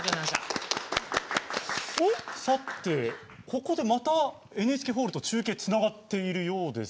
ここでまたＮＨＫホールと中継がつながっているようです。